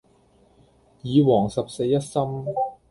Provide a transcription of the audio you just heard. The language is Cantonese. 耳王十四一心